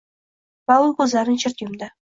Va u ko‘zlarini chirt yumdi.